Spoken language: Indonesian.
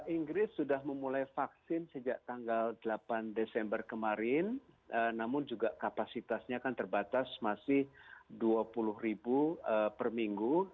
inggris sudah memulai vaksin sejak tanggal delapan desember kemarin namun juga kapasitasnya kan terbatas masih dua puluh ribu per minggu